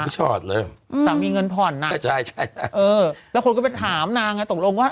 ชอตเลยอืมสามีเงินผ่อนน่ะก็ใช่ใช่เออแล้วคนก็ไปถามนางอ่ะตกลงว่า